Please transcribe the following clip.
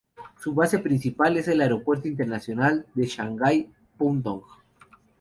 Su base principal es el Aeropuerto Internacional de Shanghái-Pudong.